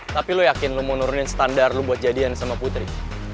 tapi lo yakin lo mau nurunin standar lo buat jadian sama putri